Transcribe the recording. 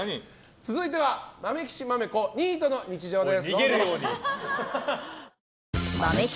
続いては「まめきちまめこニートの日常」です。